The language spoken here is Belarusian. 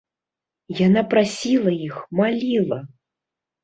Яна прасіла іх, маліла.